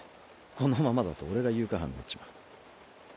このままだと俺が誘拐犯になっちまう。